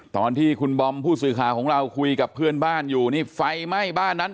ตอนที่คุณบอมผู้สื่อข่าวของเราคุยกับเพื่อนบ้านอยู่นี่ไฟไหม้บ้านนั้น